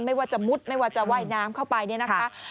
ไม่ว่าจะมุดไม่ว่าจะว่ายน้ำเข้าไปเนี่ยนะคะ